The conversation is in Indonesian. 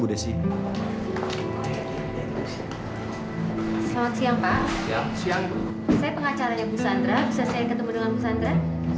selamat siang pak siang siang pengacaranya buk sandra bisa saya ketemu dengan sandra